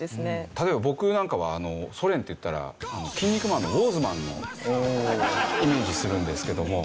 例えば僕なんかはソ連っていったら『キン肉マン』のウォーズマンをイメージするんですけども。